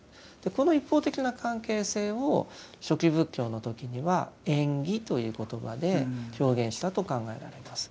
この一方的な関係性を初期仏教の時には縁起という言葉で表現したと考えられます。